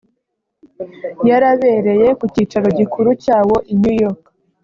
yarabereye ku cyicaro gikuru cyawo i New York